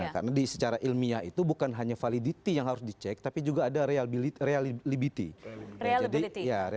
karena secara ilmiah itu bukan hanya validiti yang harus dicek tapi juga ada reliability